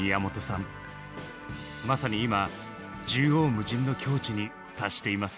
まさに今縦横無尽の境地に達しています。